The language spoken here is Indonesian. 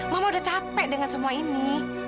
mama udah capek dengan semua ini